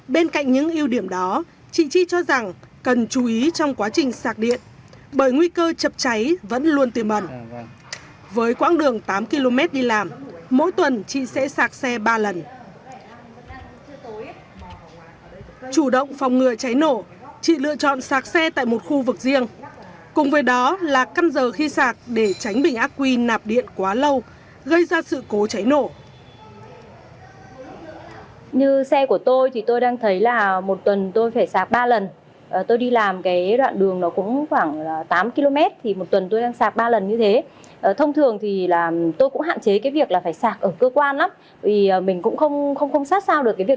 bên cạnh việc chú ý quá trình sạc xe chị cũng chủ động theo dõi kiểm tra hoạt động của bình ác quy tích điện